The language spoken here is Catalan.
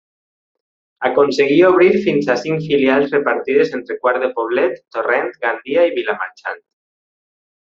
Aconseguí obrir fins a cinc filials repartides entre Quart de Poblet, Torrent, Gandia i Vilamarxant.